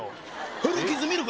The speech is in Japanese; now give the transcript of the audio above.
古傷見るか？